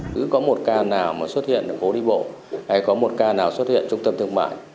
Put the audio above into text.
cứ có một ca nào mà xuất hiện ở phố đi bộ hay có một ca nào xuất hiện trung tâm thương mại